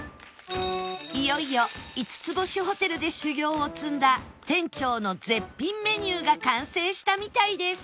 いよいよ５つ星ホテルで修業を積んだ店長の絶品メニューが完成したみたいです